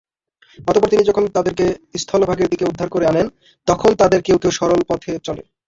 অতঃপর তিনি যখন তাদেরকে স্থলভাগের দিকে উদ্ধার করে আনেন, তখন তাদের কেউ কেউ সরল পথে চলে।